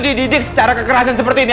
dididik secara kekerasan seperti itu